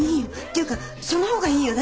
っていうかその方がいいよ。